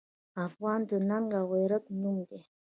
افغان د ننګ او غیرت نوم دی.